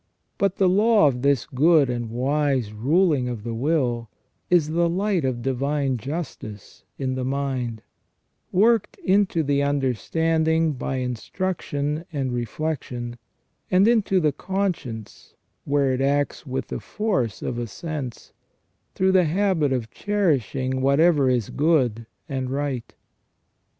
But the law of this good and wise ruling of the will is the light of divine justice in the mind, worked into the understanding by instruction and reflection, and into the conscience, where it acts with the force of a sense, through the habit of cherishing whatever is good and right.